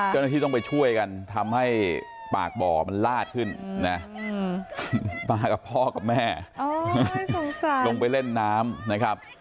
ก็ที่ต้องไปช่วยกันทำให้ปากบ่อมันลาดขึ้นปากกับพ่อกับแม่โอ้ยสงสัยลงไปเล่นน้ำนะครับ